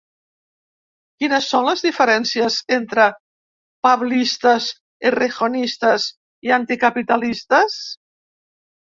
Quines són les diferències entre ‘pablistes’, ‘errejonistes’ i anticapitalistes?